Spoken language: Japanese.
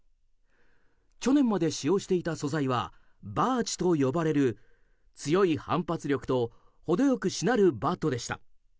去年まで使用していた素材はバーチと呼ばれる強い反発力とほどよくしなるバットでした。